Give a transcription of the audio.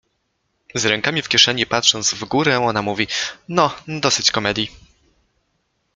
Z rękami w kieszeni, patrząc w górę, ona mówi: — No, dosyć komedii.